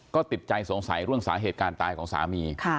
ก็ติดใจสงสัยเรื่องสาเหตุการณ์ตายของสามี